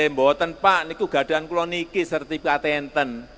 mbak ini tidak ada yang menggunakan sertifikat tnt